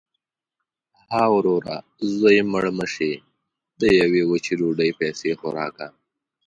– ها وروره! زوی مړی مه شې. د یوې وچې ډوډۍ پیسې خو راکه.